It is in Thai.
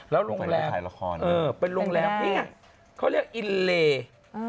แล้วโรงแรมเออเป็นโรงแรมนี่ไงเขาเรียกอินเล่อืม